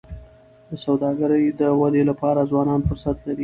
د سوداګری د ودي لپاره ځوانان فرصتونه لري.